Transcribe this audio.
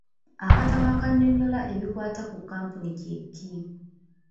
Akatabo akannyonnyola ebikwata ku kkampuni kye ki?